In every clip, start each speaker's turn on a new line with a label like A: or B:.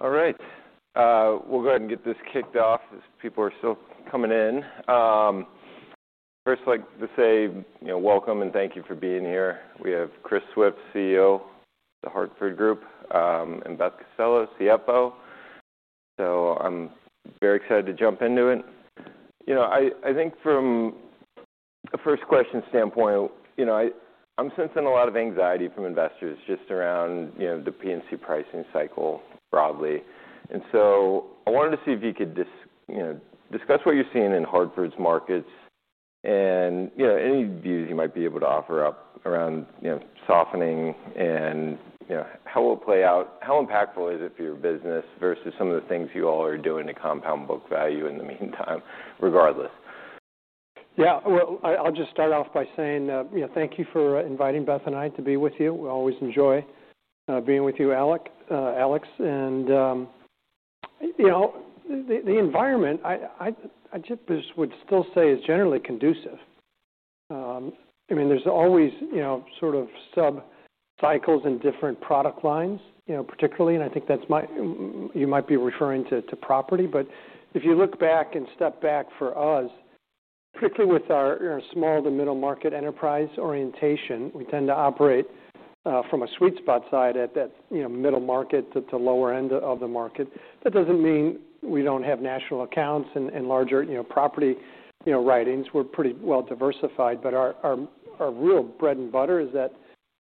A: All right. We'll go ahead and get this kicked off as people are still coming in. First, I'd like to say, you know, welcome and thank you for being here. We have Chris Swift, CEO of The Hartford, and Beth Costello, CFO. I'm very excited to jump into it. I think from a first question standpoint, I'm sensing a lot of anxiety from investors just around the property and casualty pricing cycle broadly. I wanted to see if you could just discuss what you're seeing in The Hartford's markets and any views you might be able to offer up around softening and how it will play out, how impactful is it for your business versus some of the things you all are doing to compound book value in the meantime, regardless.
B: Yeah. I'll just start off by saying, you know, thank you for inviting Beth and I to be with you. We always enjoy being with you, Alex. You know, the environment, I just would still say is generally conducive. I mean, there's always, you know, sort of sub-cycles in different product lines, particularly, and I think that's what you might be referring to, to property. If you look back and step back for us, particularly with our small to middle market enterprise orientation, we tend to operate from a sweet spot side at that middle market to the lower end of the market. That doesn't mean we don't have national accounts and larger property writings. We're pretty well diversified. Our real bread and butter is that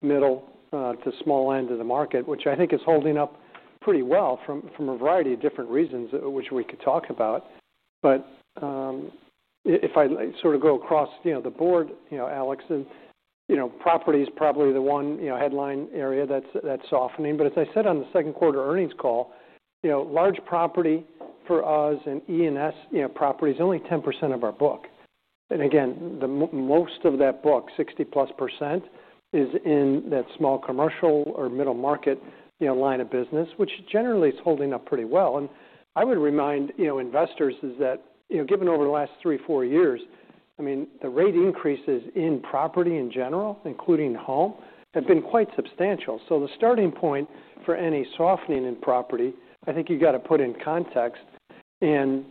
B: middle to small end of the market, which I think is holding up pretty well for a variety of different reasons, which we could talk about. If I sort of go across the board, Alex, property is probably the one headline area that's softening. As I said on the second quarter earnings call, large property for us and E&S property is only 10% of our book. Most of that book, 60+%, is in that small commercial or middle market line of business, which generally is holding up pretty well. I would remind investors that, given over the last 3 or 4 years, the rate increases in property in general, including home, have been quite substantial. The starting point for any softening in property, I think you got to put in context, and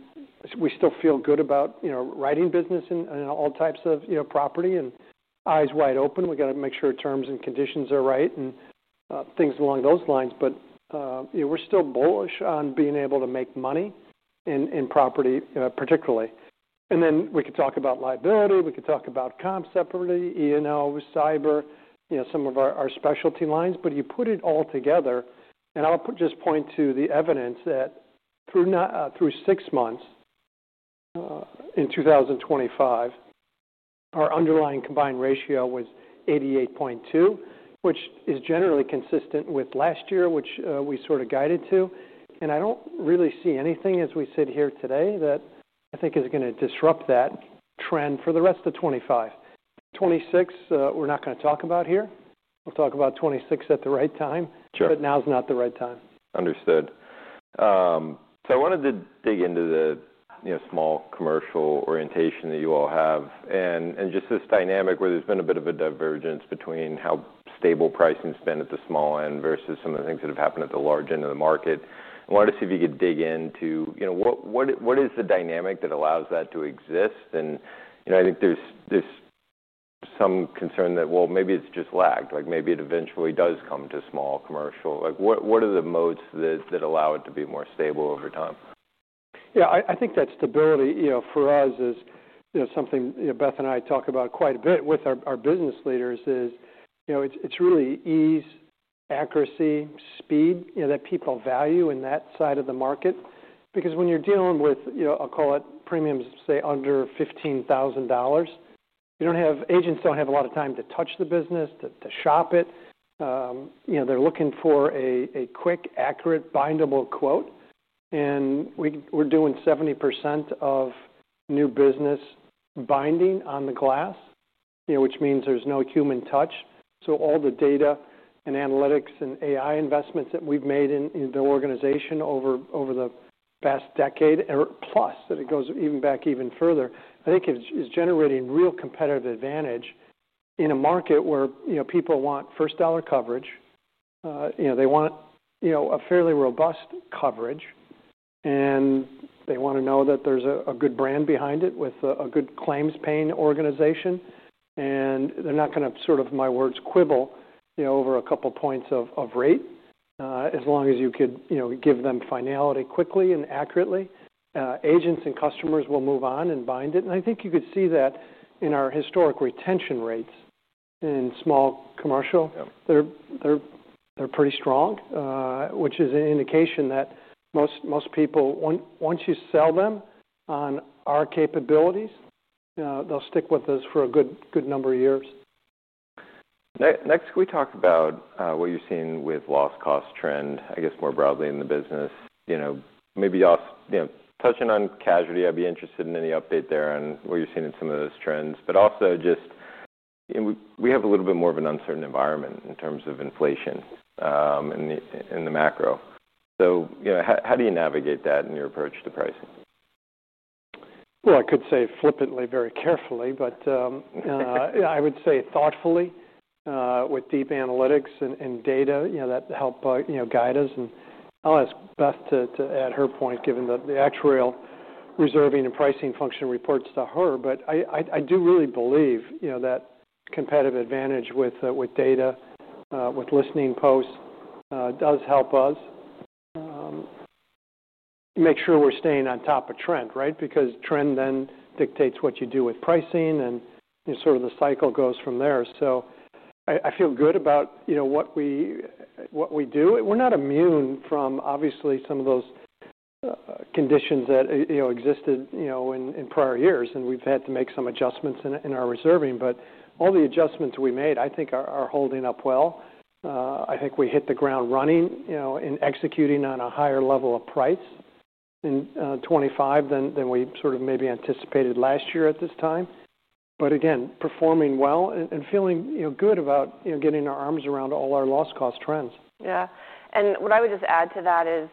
B: we still feel good about writing business in all types of property and eyes wide open. We got to make sure terms and conditions are right and things along those lines. We're still bullish on being able to make money in property, particularly. We could talk about liability. We could talk about comp separately, E&O, cyber, some of our specialty lines. You put it all together, and I'll just point to the evidence that through 6 months in 2025, our underlying combined ratio was 88.2%, which is generally consistent with last year, which we sort of guided to. I don't really see anything as we sit here today that I think is going to disrupt that trend for the rest of 2025. 2026, we're not going to talk about here. We'll talk about 2026 at the right time.
A: Sure.
B: Now is not the right time.
A: Understood. I wanted to dig into the small commercial orientation that you all have and just this dynamic where there's been a bit of a divergence between how stable pricing's been at the small end versus some of the things that have happened at the large end of the market. I wanted to see if you could dig into what is the dynamic that allows that to exist? I think there's some concern that maybe it's just lagged, like maybe it eventually does come to small commercial. What are the modes that allow it to be more stable over time?
B: Yeah. I think that stability, you know, for us is, you know, something Beth and I talk about quite a bit with our business leaders. It's really ease, accuracy, speed, you know, that people value in that side of the market. Because when you're dealing with, you know, I'll call it premiums, say, under $15,000, agents don't have a lot of time to touch the business, to shop it. You know, they're looking for a quick, accurate, bindable quote. We're doing 70% of new business binding on the glass, which means there's no human touch. All the data and analytics and AI investments that we've made in the organization over the past decade or plus, and it goes even back even further, I think it's generating real competitive advantage in a market where, you know, people want first-dollar coverage. You know, they want a fairly robust coverage, and they want to know that there's a good brand behind it with a good claims-paying organization. They're not going to, sort of, my words, quibble over a couple points of rates, as long as you could give them finality quickly and accurately. Agents and customers will move on and bind it. I think you could see that in our historic retention rates in small commercial.
A: Yeah.
B: They're pretty strong, which is an indication that most people, once you sell them on our capabilities, they'll stick with us for a good number of years.
A: Next, can we talk about what you're seeing with loss cost trend, I guess, more broadly in the business? Maybe touching on casualty, I'd be interested in any update there on what you're seeing in some of those trends. We have a little bit more of an uncertain environment in terms of inflation in the macro. How do you navigate that in your approach to pricing?
B: I would say thoughtfully, with deep analytics and data that help guide us. I'll ask Beth to add her point given the actuarial reserving and pricing function reports to her. I do really believe that competitive advantage with data, with listening posts, does help us make sure we're staying on top of trend, right? Because trend then dictates what you do with pricing and the cycle goes from there. I feel good about what we do. We're not immune from, obviously, some of those conditions that existed in prior years, and we've had to make some adjustments in our reserving. All the adjustments we made, I think, are holding up well. I think we hit the ground running in executing on a higher level of price in 2025 than we maybe anticipated last year at this time. Again, performing well and feeling good about getting our arms around all our loss cost trends.
C: Yeah. What I would just add to that is,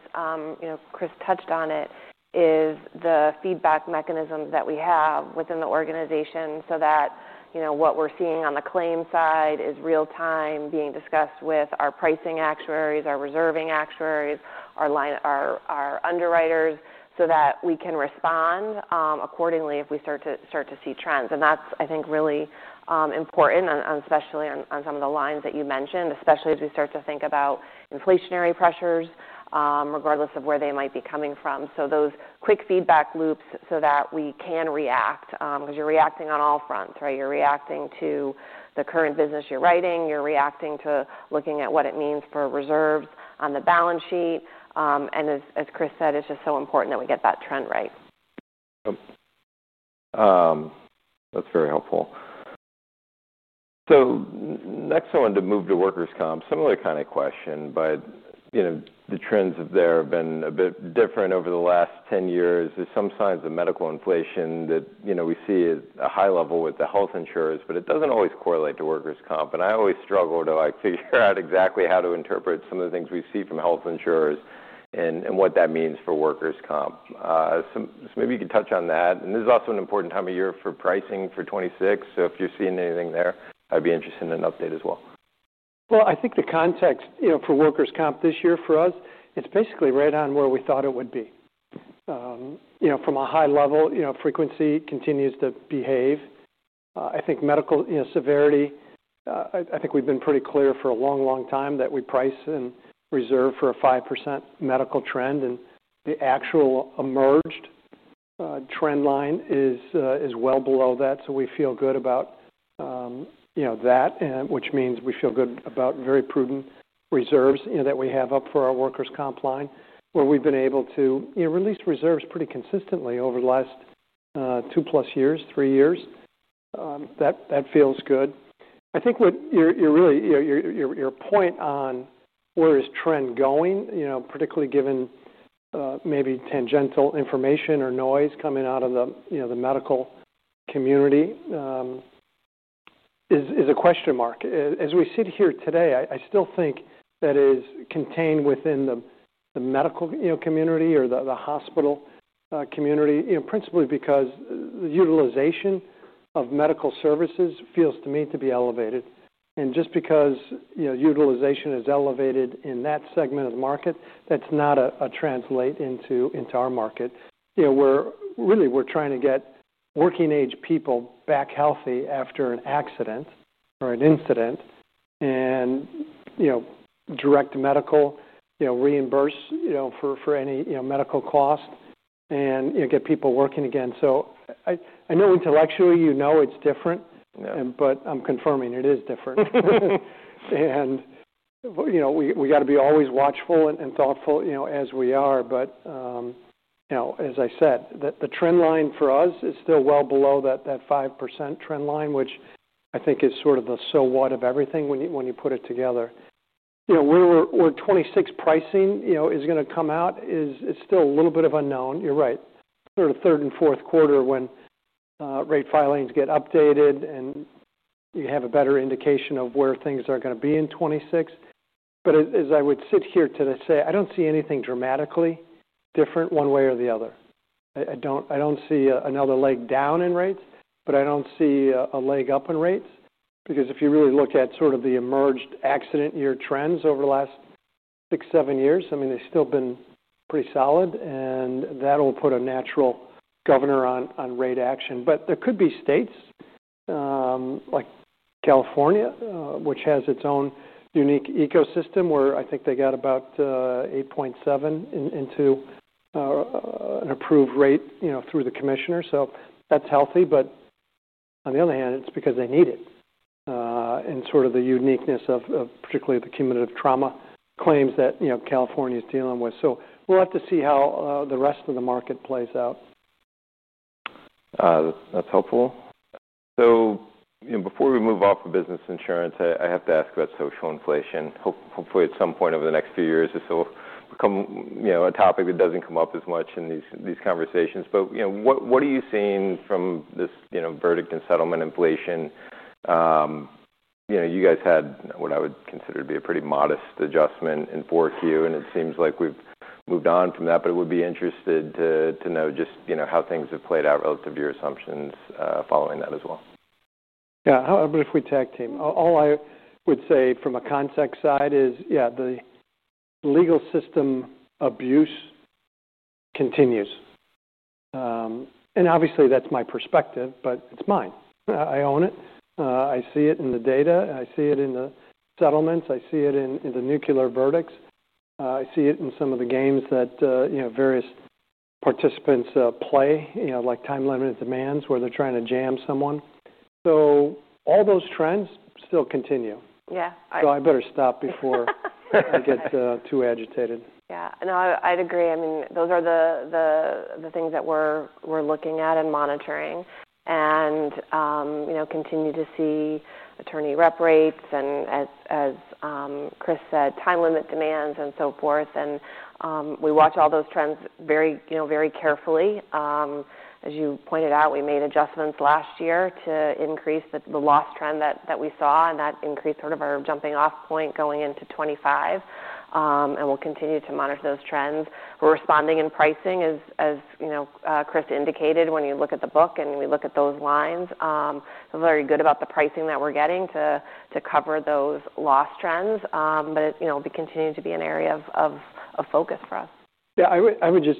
C: you know, Chris touched on it, is the feedback mechanism that we have within the organization so that what we're seeing on the claim side is real time being discussed with our pricing actuaries, our reserving actuaries, our line, our underwriters so that we can respond accordingly if we start to see trends. I think that's really important, especially on some of the lines that you mentioned, especially as we start to think about inflationary pressures, regardless of where they might be coming from. Those quick feedback loops so that we can react, because you're reacting on all fronts, right? You're reacting to the current business you're writing. You're reacting to looking at what it means for reserves on the balance sheet. As Chris said, it's just so important that we get that trend right.
A: That's very helpful. Next, I wanted to move to workers' comp, similar kind of question, but, you know, the trends there have been a bit different over the last 10 years. There are some signs of medical inflation that, you know, we see at a high level with the health insurers, but it doesn't always correlate to workers' comp. I always struggle to figure out exactly how to interpret some of the things we see from health insurers and what that means for workers' comp. Maybe you could touch on that. This is also an important time of year for pricing for 2026. If you're seeing anything there, I'd be interested in an update as well.
B: I think the context for workers’ comp this year for us, it's basically right on where we thought it would be. From a high level, frequency continues to behave. I think medical severity, I think we've been pretty clear for a long, long time that we price and reserve for a 5% medical trend, and the actual emerged trend line is well below that. We feel good about that, which means we feel good about very prudent reserves that we have up for our workers’ comp line where we've been able to release reserves pretty consistently over the last 2 plus years, 3 years. That feels good. I think your point on where is trend going, particularly given maybe tangential information or noise coming out of the medical community, is a question mark. As we sit here today, I still think that is contained within the medical community or the hospital community, principally because the utilization of medical services feels to me to be elevated. Just because utilization is elevated in that segment of the market, that does not translate into our market. We're really trying to get working age people back healthy after an accident or an incident and direct medical reimburse for any medical cost and get people working again. I know intellectually it's different.
A: Yeah.
B: I'm confirming it is different. We gotta be always watchful and thoughtful, you know, as we are. As I said, the trend line for us is still well below that 5% trend line, which I think is sort of the so what of everything when you put it together. Where 2026 pricing is going to come out is still a little bit of unknown. You're right, sort of third and fourth quarter when rate filings get updated and you have a better indication of where things are going to be in 2026. As I would sit here today, I don't see anything dramatically different one way or the other. I don't see another leg down in rates, but I don't see a leg up in rates because if you really look at sort of the emerged accident year trends over the last 6, 7 years, they've still been pretty solid, and that will put a natural governor on rate action. There could be states, like California, which has its own unique ecosystem where I think they got about 8.7% into an approved rate through the commissioner. That's healthy. On the other hand, it's because they need it, and sort of the uniqueness of particularly the cumulative trauma claims that California is dealing with. We'll have to see how the rest of the market plays out.
A: That's helpful. Before we move off of business insurance, I have to ask about social inflation. Hopefully, at some point over the next few years or so, it becomes a topic that doesn't come up as much in these conversations. What are you seeing from this verdict and settlement inflation? You guys had what I would consider to be a pretty modest adjustment in 4Q, and it seems like we've moved on from that. I would be interested to know just how things have played out relative to your assumptions, following that as well.
B: Yeah. How about if we tag team. All I would say from a context side is, yeah, the legal system abuse continues, and obviously, that's my perspective, but it's mine. I own it. I see it in the data. I see it in the settlements. I see it in the nuclear verdicts. I see it in some of the games that, you know, various participants play, you know, like time limited demands where they're trying to jam someone. All those trends still continue.
C: Yeah.
B: I better stop before I get too agitated.
C: Yeah. No. I'd agree. I mean, those are the things that we're looking at and monitoring. You know, continue to see attorney rep rates and, as Chris said, time limit demands and so forth. We watch all those trends very carefully. As you pointed out, we made adjustments last year to increase the loss trend that we saw, and that increased sort of our jumping off point going into 2025. We'll continue to monitor those trends. We're responding in pricing as, you know, Chris indicated when you look at the book and we look at those lines. I'm very good about the pricing that we're getting to cover those loss trends. It will continue to be an area of focus for us.
B: Yeah. I would just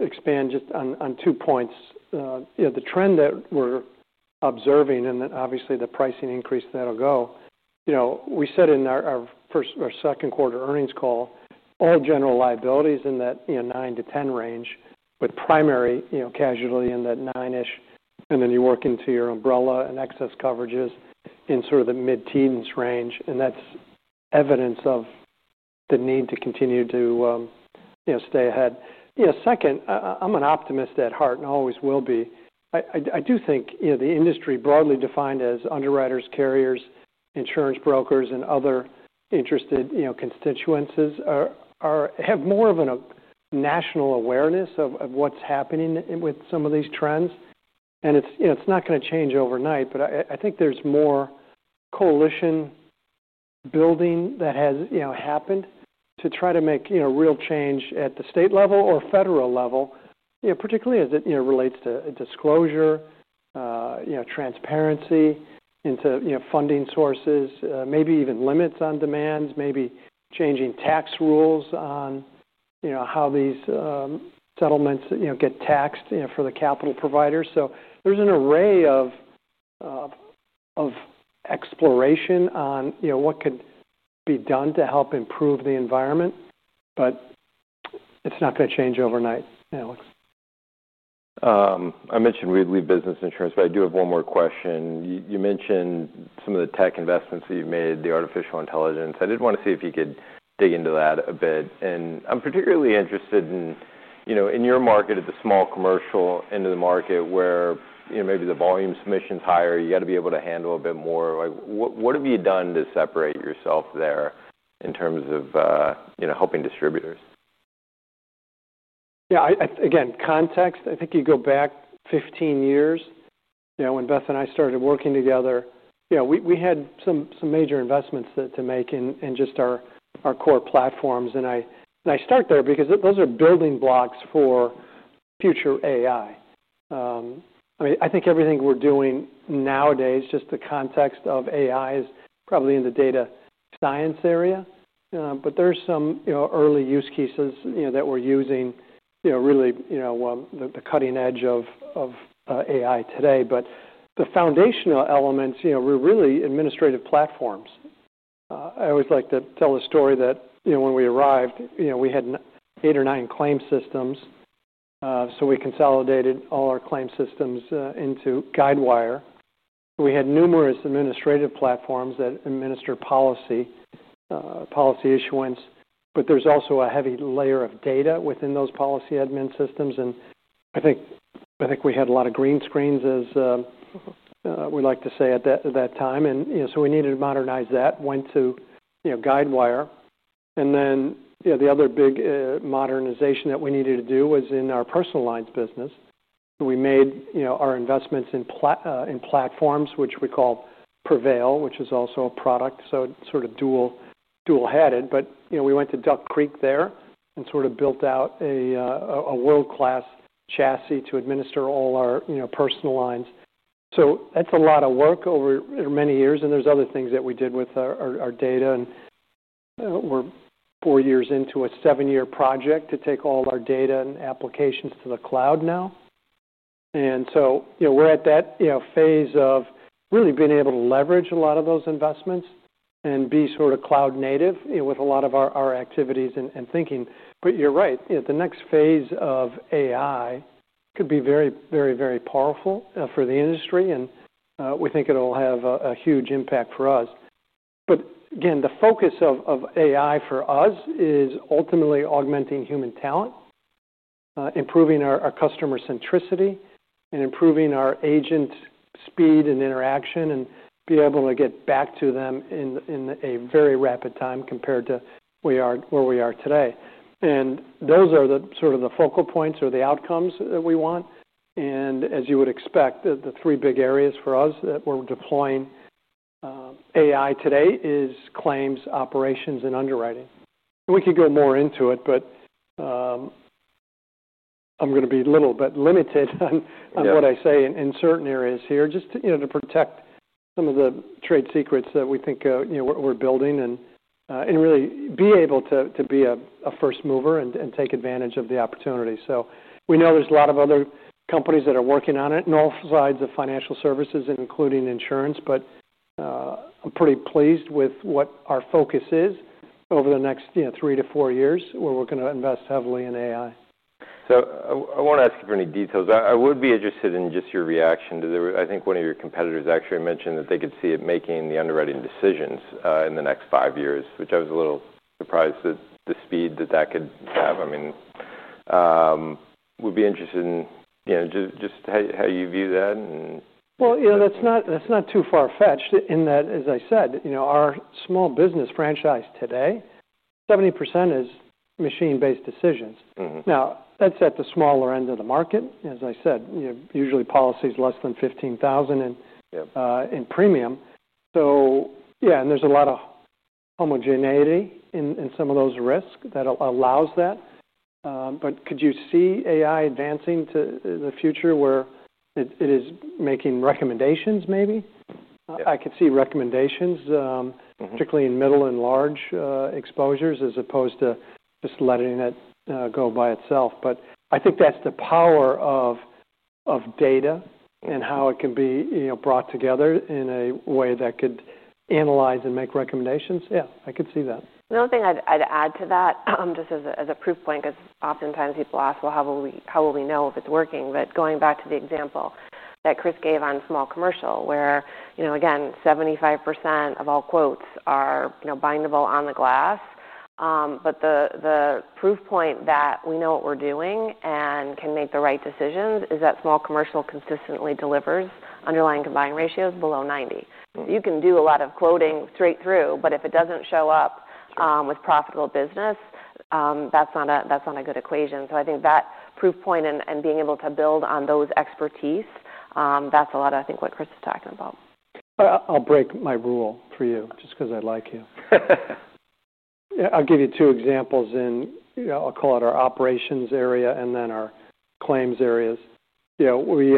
B: expand on two points. You know, the trend that we're observing and that obviously the pricing increase that will go, you know, we said in our first or second quarter earnings call, all general liabilities in that 9%-10% range with primary casualty in that 9%-ish. Then you work into your umbrella and excess coverages in sort of the mid-teens range. That's evidence of the need to continue to stay ahead. Second, I'm an optimist at heart and always will be. I do think the industry broadly defined as underwriters, carriers, insurance brokers, and other interested constituencies have more of a national awareness of what's happening with some of these trends. It's not going to change overnight, but I think there's more coalition building that has happened to try to make real change at the state level or federal level, particularly as it relates to disclosure, transparency into funding sources, maybe even limits on demands, maybe changing tax rules on how these settlements get taxed for the capital providers. There's an array of exploration on what could be done to help improve the environment, but it's not going to change overnight, Alex.
A: I mentioned we'd leave business insurance, but I do have one more question. You mentioned some of the tech investments that you've made, the artificial intelligence. I did want to see if you could dig into that a bit. I'm particularly interested in, you know, in your market at the small commercial end of the market where, you know, maybe the volume submission's higher, you gotta be able to handle a bit more. What have you done to separate yourself there in terms of, you know, helping distributors?
B: Yeah. Again, context, I think you go back 15 years, you know, when Beth Costello and I started working together, you know, we had some major investments to make in just our core platforms. I start there because those are building blocks for future AI. I mean, I think everything we're doing nowadays, just the context of AI is probably in the data science area, but there's some early use cases that we're using, really, at the cutting edge of AI today. The foundational elements were really administrative platforms. I always like to tell the story that when we arrived, we had 8 or 9 claim systems, so we consolidated all our claim systems into Guidewire. We had numerous administrative platforms that administer policy, policy issuance. There's also a heavy layer of data within those policy admin systems. I think we had a lot of green screens, as we like to say at that time. We needed to modernize that, went to Guidewire. The other big modernization that we needed to do was in our personal lines business. We made our investments in platforms, which we call Prevail, which is also a product. It's sort of dual headed. We went to Duck Creek there and built out a world-class chassis to administer all our personal lines. That's a lot of work over many years. There are other things that we did with our data. We're 4 years into a 7-year project to take all of our data and applications to the cloud now. We're at that phase of really being able to leverage a lot of those investments and be sort of cloud native with a lot of our activities and thinking. You're right. The next phase of AI could be very, very, very powerful for the industry. We think it'll have a huge impact for us. Again, the focus of AI for us is ultimately augmenting human talent, improving our customer centricity, and improving our agent speed and interaction and being able to get back to them in a very rapid time compared to where we are today. Those are the focal points or the outcomes that we want. As you would expect, the 3 big areas for us that we're deploying AI today are claims, operations, and underwriting. We could go more into it, but I'm going to be a little bit limited on what I say in certain areas here just to, you know, protect some of the trade secrets that we think we're building and really be able to be a first mover and take advantage of the opportunity. We know there's a lot of other companies that are working on it in all sides of financial services and including insurance. I'm pretty pleased with what our focus is over the next 3 to 4 years where we're going to invest heavily in AI.
A: I won't ask you for any details. I would be interested in just your reaction to the, I think one of your competitors actually mentioned that they could see it making the underwriting decisions in the next 5 years, which I was a little surprised at the speed that that could have. I mean, would be interested in, you know, just how you view that.
B: That's not too far fetched in that, as I said, our small business franchise today, 70% is machine-based decisions.
A: Mhmm.
B: Now, that's at the smaller end of the market. As I said, you know, usually policy is less than $15,000 in.
A: Yep.
B: in premium. Yeah, there's a lot of homogeneity in some of those risks that allows that. Could you see AI advancing to the future where it is making recommendations maybe?
A: Yeah.
B: I could see recommendations, particularly in middle and large exposures as opposed to just letting it go by itself. I think that's the power of data and how it can be brought together in a way that could analyze and make recommendations. Yeah, I could see that.
C: The only thing I'd add to that, just as a proof point because oftentimes people ask, how will we know if it's working? Going back to the example that Chris gave on small commercial where, you know, again, 75% of all quotes are, you know, bindable on the glass, the proof point that we know what we're doing and can make the right decisions is that small commercial consistently delivers underlying combined ratios below 90.
B: Mhmm.
C: You can do a lot of quoting straight through, but if it doesn't show up with profitable business, that's not a good equation. I think that proof point and being able to build on those expertise, that's a lot of what Chris is talking about.
B: I'll break my rule for you just because I like you. I'll give you 2 examples in, you know, I'll call it our operations area and then our claims areas. You know, we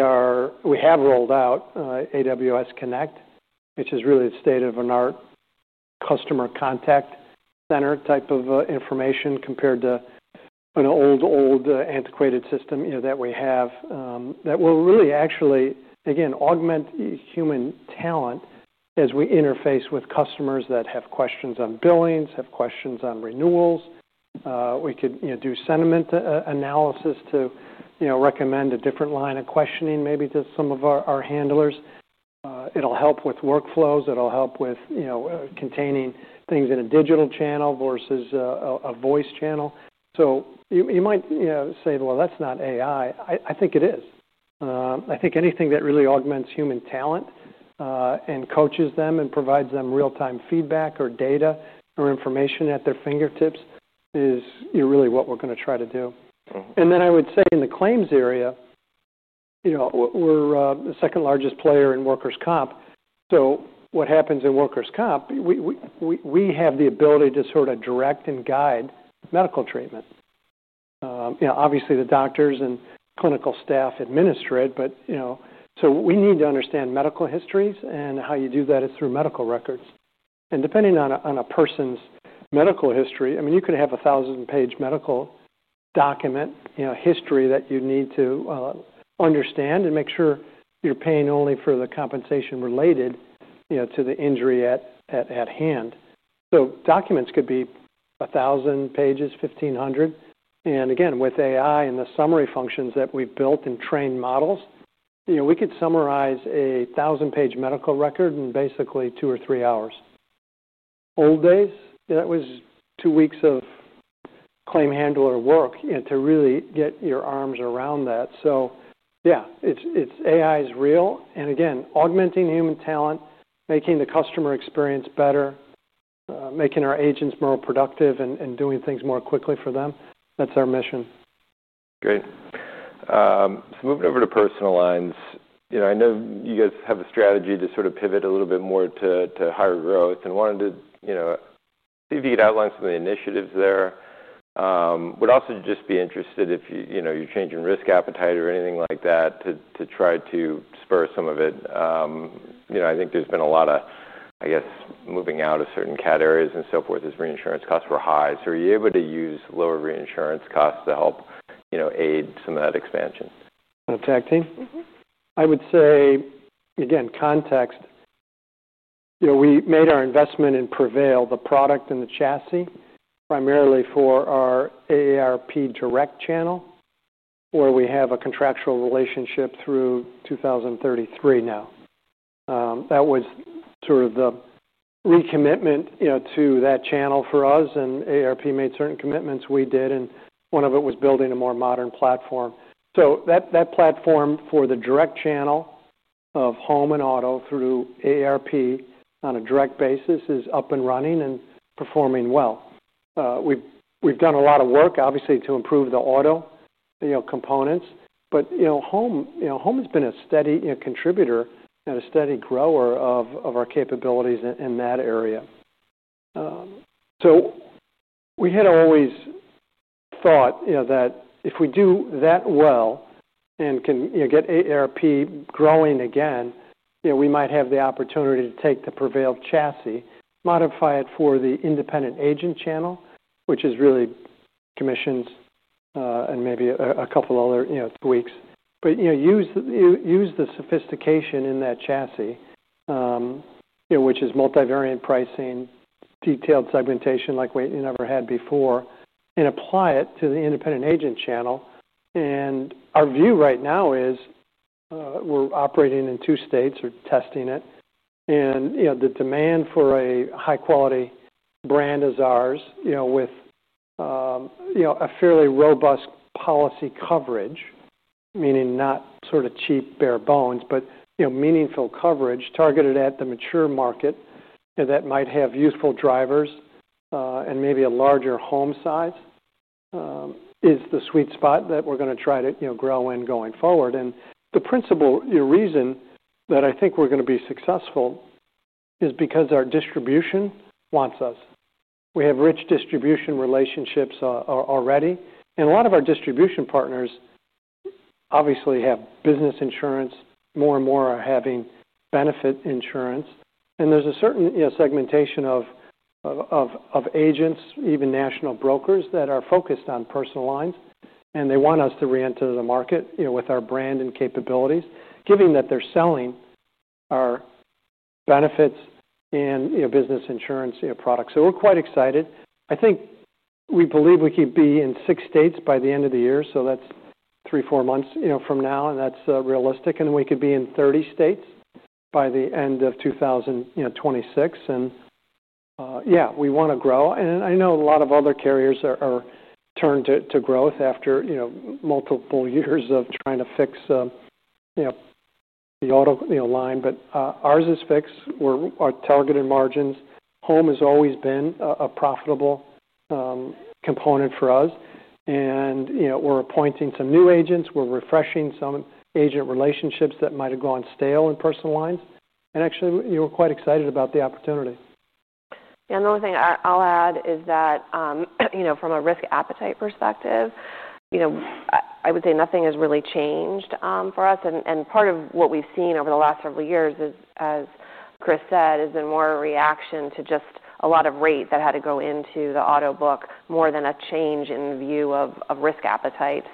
B: have rolled out AWS Connect, which is really a state-of-the-art customer contact center type of information compared to an old, old, antiquated system that we have, that will really actually, again, augment human talent as we interface with customers that have questions on billings, have questions on renewals. We could do sentiment analysis to recommend a different line of questioning maybe to some of our handlers. It'll help with workflows. It'll help with containing things in a digital channel versus a voice channel. You might say, that's not AI. I think it is. I think anything that really augments human talent and coaches them and provides them real-time feedback or data or information at their fingertips is really what we're going to try to do.
A: Mhmm.
B: I would say in the claims area, we're the second largest player in workers’ comp. What happens in workers’ comp, we have the ability to sort of direct and guide medical treatments. Obviously, the doctors and clinical staff administer it, but we need to understand medical histories and how you do that is through medical records. Depending on a person's medical history, you could have a 1,000-page medical document, history that you'd need to understand and make sure you're paying only for the compensation related to the injury at hand. Documents could be 1,000 pages, 1,500. With AI and the summary functions that we've built and trained models, we could summarize a 1,000-page medical record in basically 2 or 3 hours. In the old days, that was 2 weeks of claim handler work to really get your arms around that. AI is real. Again, augmenting human talent, making the customer experience better, making our agents more productive and doing things more quickly for them. That's our mission.
A: Great. Moving over to personal lines, I know you guys have a strategy to sort of pivot a little bit more to higher growth and wanted to see if you could outline some of the initiatives there. I would also just be interested if you're changing risk appetite or anything like that to try to spur some of it. I think there's been a lot of moving out of certain CAT areas and so forth as reinsurance costs were high. Are you able to use lower reinsurance costs to help aid some of that expansion?
B: The tag team?
C: Mhmm.
B: I would say, again, context. You know, we made our investment in Prevail, the product and the chassis, primarily for our AARP direct channel where we have a contractual relationship through 2033 now. That was sort of the recommitment, you know, to that channel for us. AARP made certain commitments. We did. One of it was building a more modern platform. That platform for the direct channel of home and auto through AARP on a direct basis is up and running and performing well. We've done a lot of work, obviously, to improve the auto, you know, components. Home has been a steady contributor and a steady grower of our capabilities in that area. We had always thought that if we do that well and can get AARP growing again, we might have the opportunity to take the Prevail chassis, modify it for the independent agent channel, which is really commissions, and maybe a couple other tweaks. Use the sophistication in that chassis, which is multivariate pricing, detailed segmentation like we never had before, and apply it to the independent agent channel. Our view right now is, we're operating in 2 states or testing it. The demand for a high-quality brand is ours, with a fairly robust policy coverage, meaning not sort of cheap bare bones, but meaningful coverage targeted at the mature market that might have useful drivers, and maybe a larger home size, is the sweet spot that we're going to try to grow in going forward. The principal reason that I think we're going to be successful is because our distribution wants us. We have rich distribution relationships already. A lot of our distribution partners obviously have business insurance. More and more are having benefit insurance. There's a certain segmentation of agents, even national brokers that are focused on personal lines. They want us to reenter the market with our brand and capabilities, given that they're selling our benefits and business insurance products. We're quite excited. I think we believe we could be in 6 states by the end of the year. That's 3, 4 months from now, and that's realistic. We could be in 30 states by the end of 2026. We want to grow. I know a lot of other carriers are turned to growth after multiple years of trying to fix the auto line. Ours is fixed. We're at our targeted margins. Home has always been a profitable component for us. We're appointing some new agents and refreshing some agent relationships that might have gone stale in personal lines. Actually, we're quite excited about the opportunity.
C: Yeah. The only thing I'll add is that, you know, from a risk appetite perspective, I would say nothing has really changed for us. Part of what we've seen over the last several years is, as Chris said, has been more a reaction to just a lot of rate that had to go into the auto book more than a change in view of risk appetite.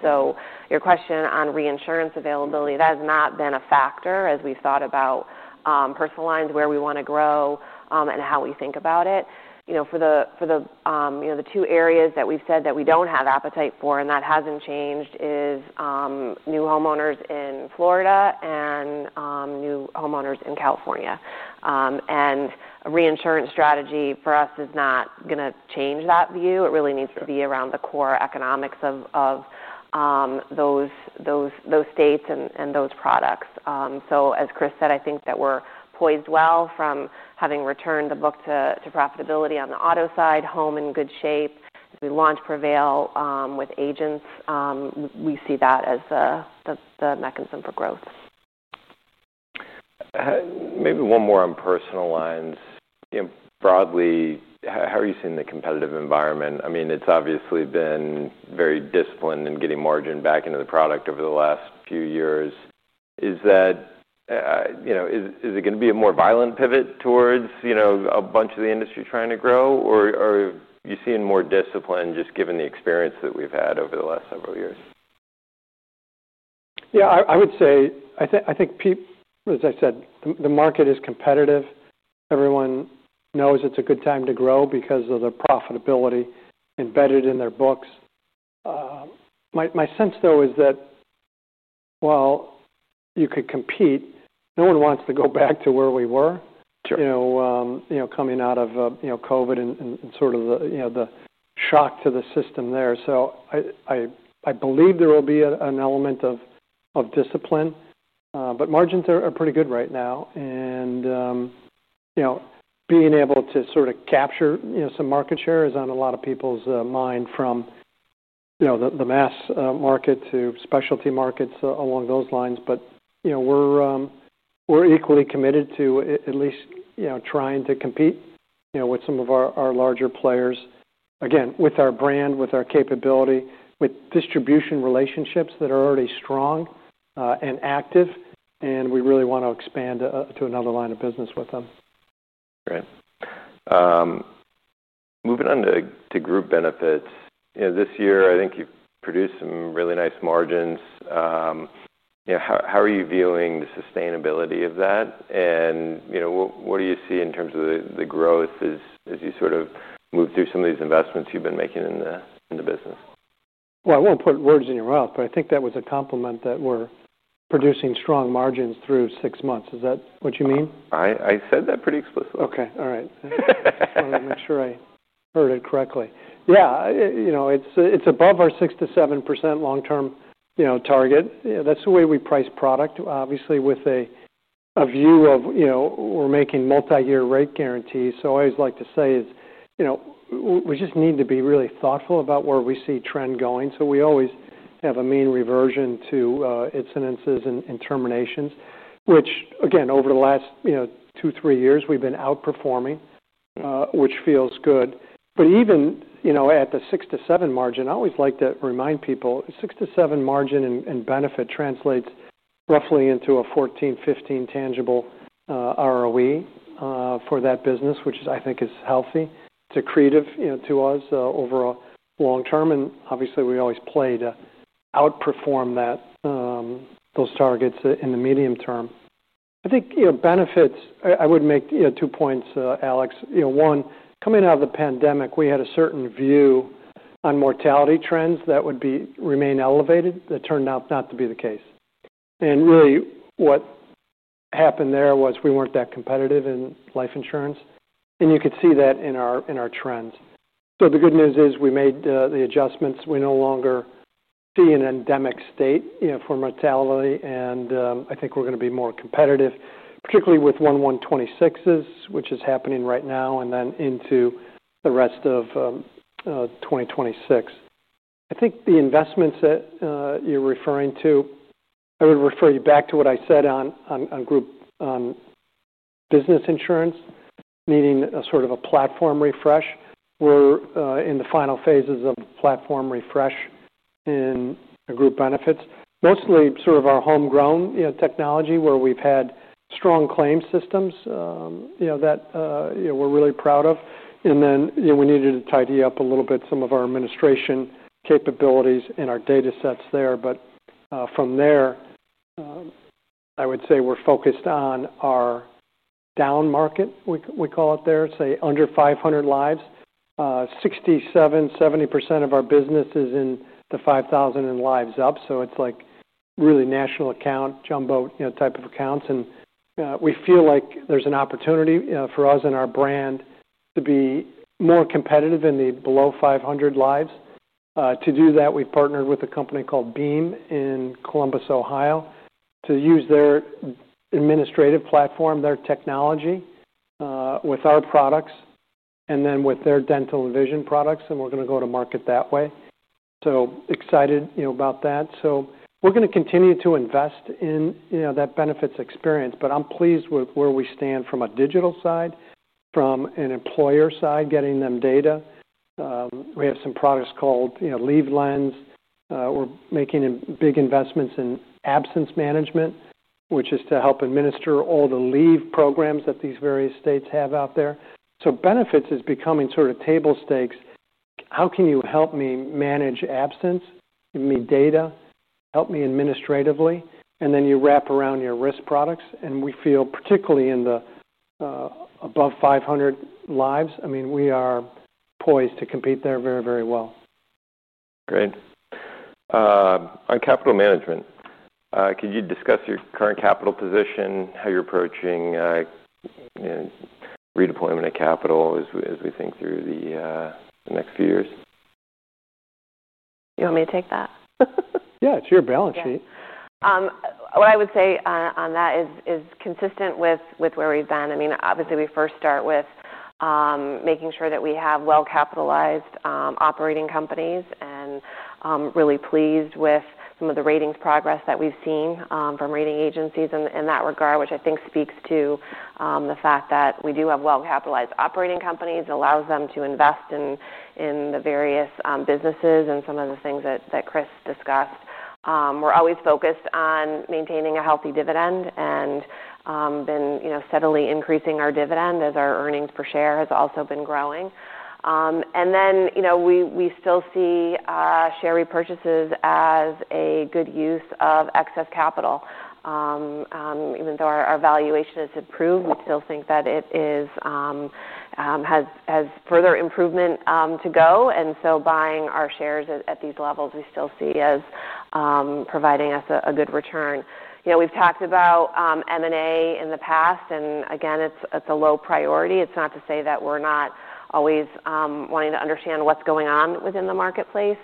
C: Your question on reinsurance availability, that has not been a factor as we've thought about personal lines where we want to grow, and how we think about it. For the 2 areas that we've said that we don't have appetite for and that hasn't changed is new homeowners in Florida and new homeowners in California. A reinsurance strategy for us is not going to change that view. It really needs to be around the core economics of those states and those products. As Chris said, I think that we're poised well from having returned the book to profitability on the auto side, home in good shape. We launched Prevail with agents. We see that as the mechanism for growth.
A: Maybe one more on personal lines. Broadly, how are you seeing the competitive environment? I mean, it's obviously been very disciplined in getting margin back into the product over the last few years. Is that, you know, is it going to be a more violent pivot towards, you know, a bunch of the industry trying to grow, or are you seeing more discipline just given the experience that we've had over the last several years?
B: Yeah. I would say I think people, as I said, the market is competitive. Everyone knows it's a good time to grow because of the profitability embedded in their books. My sense, though, is that while you could compete, no one wants to go back to where we were.
A: Sure.
B: Coming out of COVID and the shock to the system there, I believe there will be an element of discipline. Margins are pretty good right now, and being able to sort of capture some market share is on a lot of people's mind from the mass market to specialty markets along those lines. We're equally committed to at least trying to compete with some of our larger players, again, with our brand, with our capability, with distribution relationships that are already strong and active. We really want to expand to another line of business with them.
A: Great. Moving on to group benefits. This year, I think you've produced some really nice margins. How are you viewing the sustainability of that? What do you see in terms of the growth as you sort of move through some of these investments you've been making in the business?
B: Yeah, I won't put words in your mouth, but I think that was a compliment that we're producing strong margins through 6 months. Is that what you mean?
A: I said that pretty explicitly.
B: Okay. All right. I just wanted to make sure I heard it correctly. Yeah. You know, it's above our 6%-7% long-term target. That's the way we price product, obviously, with a view of, you know, we're making multi-year rate guarantees. I always like to say, we just need to be really thoughtful about where we see trend going. We always have a mean reversion to incidences and terminations, which, again, over the last 2, 3 years, we've been outperforming, which feels good. Even at the 6%-7% margin, I always like to remind people, 6%-7% margin and benefit translates roughly into a 14%, 15% tangible ROE for that business, which I think is healthy. It's accretive to us over a long term. Obviously, we always play to outperform those targets in the medium term. I think, you know, benefits, I would make 2 points, Alex. One, coming out of the pandemic, we had a certain view on mortality trends that would remain elevated. That turned out not to be the case. Really, what happened there was we weren't that competitive in life insurance. You could see that in our trends. The good news is we made the adjustments. We no longer see an endemic state for mortality. I think we're going to be more competitive, particularly with 1126s, which is happening right now and then into the rest of 2026. I think the investments that you're referring to, I would refer you back to what I said on group on business insurance needing a sort of a platform refresh. We're in the final phases of the platform refresh in group benefits, mostly sort of our homegrown technology where we've had strong claim systems that we're really proud of. We needed to tidy up a little bit some of our administration capabilities in our data sets there. From there, I would say we're focused on our down market, we call it there, say under 500 lives. 67%, 70% of our business is in the 5,000 and lives up. It's like really national account, jumbo type of accounts. We feel like there's an opportunity for us and our brand to be more competitive in the below 500 lives. To do that, we partnered with a company called Beam in Columbus, Ohio, to use their administrative platform, their technology, with our products and then with their dental and vision products. We are going to go to market that way. Excited, you know, about that. We are going to continue to invest in, you know, that benefits experience. I'm pleased with where we stand from a digital side, from an employer side, getting them data. We have some products called, you know, Leave Lens. We are making big investments in absence management, which is to help administer all the leave programs that these various states have out there. Benefits is becoming sort of table stakes. How can you help me manage absence? Give me data. Help me administratively. Then you wrap around your risk products. We feel particularly in the above 500 lives, I mean, we are poised to compete there very, very well.
A: Great. On capital management, could you discuss your current capital position, how you're approaching redeployment of capital as we think through the next few years?
C: You want me to take that?
B: Yeah, it's your balance sheet.
C: Yeah. What I would say on that is consistent with where we've been. Obviously, we first start with making sure that we have well-capitalized operating companies, and really pleased with some of the ratings progress that we've seen from rating agencies in that regard, which I think speaks to the fact that we do have well-capitalized operating companies. It allows them to invest in the various businesses and some of the things that Chris discussed. We're always focused on maintaining a healthy dividend and have been steadily increasing our dividend as our earnings per share has also been growing. We still see share repurchases as a good use of excess capital. Even though our valuation has improved, we still think that it has further improvement to go. Buying our shares at these levels, we still see as providing us a good return. We've talked about M&A in the past. Again, it's a low priority. It's not to say that we're not always wanting to understand what's going on within the marketplace.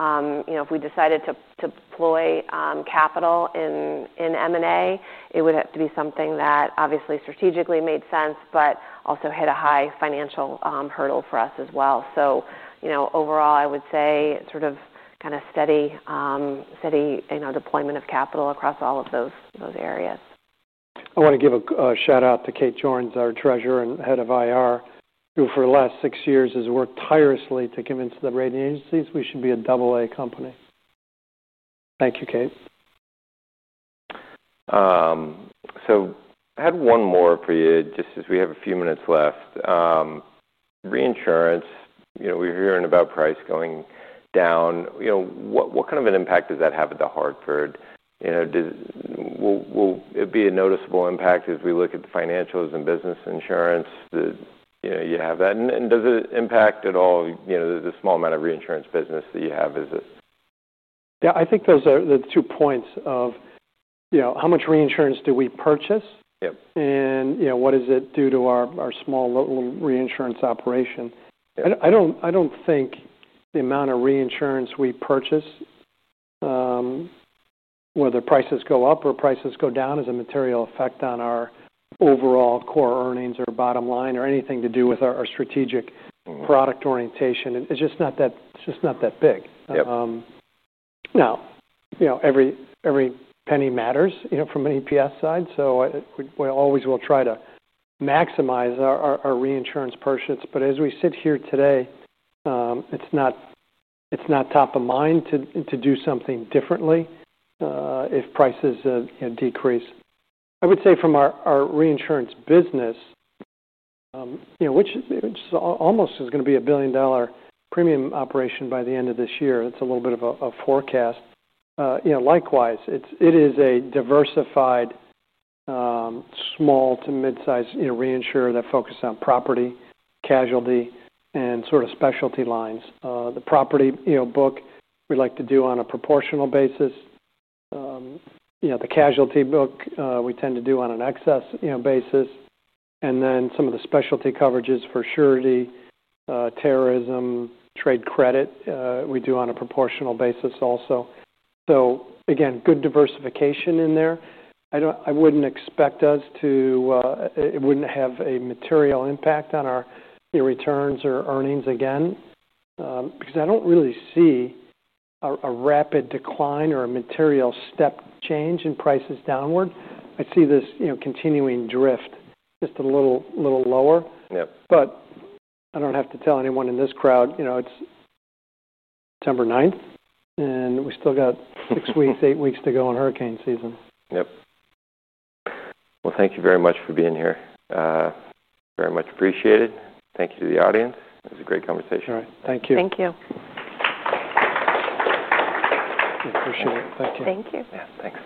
C: If we decided to deploy capital in M&A, it would have to be something that obviously strategically made sense but also hit a high financial hurdle for us as well. Overall, I would say sort of steady deployment of capital across all of those areas.
B: I want to give a shout out to Kate Jorens, our Treasurer and Head of IR, who for the last 6 years has worked tirelessly to convince the rating agencies we should be a AA company. Thank you, Kate.
A: I had one more for you just as we have a few minutes left. Reinsurance, you know, we've heard about price going down. What kind of an impact does that have at The Hartford? Will it be a noticeable impact as we look at the financials and business insurance that you have? Does it impact at all the small amount of reinsurance business that you have as this?
B: Yeah, I think those are the 2 points of, you know, how much reinsurance do we purchase?
A: Yep.
B: You know, what does it do to our small little reinsurance operation? I don't think the amount of reinsurance we purchase, whether prices go up or prices go down, is a material effect on our overall core earnings or bottom line or anything to do with our strategic product orientation. It's just not that big.
A: Yep.
B: Now, you know, every penny matters, you know, from an EPS side. We always will try to maximize our reinsurance purchase. As we sit here today, it's not top of mind to do something differently if prices, you know, decrease. I would say from our reinsurance business, you know, which is almost going to be a $1 billion premium operation by the end of this year. That's a little bit of a forecast. You know, likewise, it is a diversified, small to mid-sized reinsurer that focuses on property, casualty, and sort of specialty lines. The property book, we like to do on a proportional basis. You know, the casualty book, we tend to do on an excess basis. Then some of the specialty coverages for surety, terrorism, trade credit, we do on a proportional basis also. Again, good diversification in there. I wouldn't expect us to, it wouldn't have a material impact on our returns or earnings again, because I don't really see a rapid decline or a material step change in prices downward. I see this continuing drift just a little lower.
A: Yep.
B: I don't have to tell anyone in this crowd, you know, it's September 9th, and we still got 6 weeks, 8 weeks to go in hurricane season.
A: Thank you very much for being here. Very much appreciate it. Thank you to the audience. It was a great conversation.
B: All right. Thank you.
C: Thank you.
B: I appreciate it. Thank you.
C: Thank you.
B: Thanks.